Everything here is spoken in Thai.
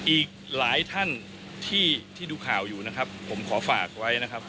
อีกหลายท่านที่ดูข่าวอยู่นะครับผมขอฝากไว้นะครับ